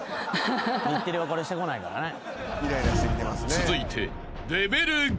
［続いて］